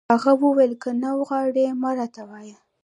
هغه وویل: که نه غواړي، مه راته وایه.